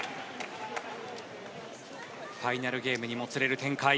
ファイナルゲームにもつれる展開。